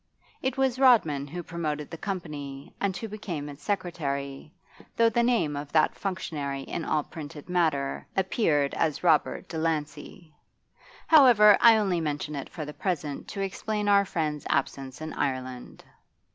It was Rodman who promoted the company and who became its secretary, though the name of that functionary in all printed matter appeared as 'Robert Delancey.' However, I only mention it for the present to explain our friend's absence in Ireland.